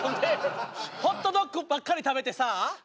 ホットドッグばっかり食べてさ。